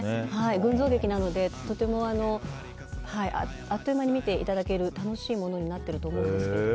群像劇なのであっという間に見ていただける楽しいものになっていると思うんですけど。